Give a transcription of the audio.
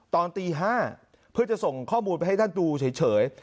ตอนตี๕เพื่อจะส่งข้อมูลไปให้ท่านดูเฉย